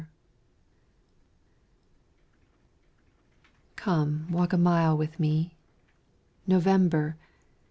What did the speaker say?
NOVEMBER Come walk a mile with me November!